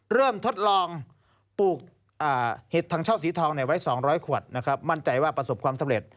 ทดลองปลูกเห็ดถังเช่าสีทองไว้๒๐๐ขวดนะครับมั่นใจว่าประสบความสำเร็จ